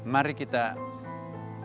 mari kita bersikap santun kepada allah